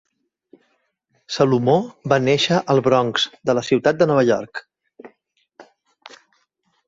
Salomó va néixer al Bronx de la ciutat de Nova York.